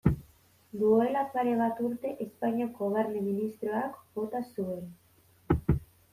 Duela pare bat urte Espainiako Barne ministroak bota zuen.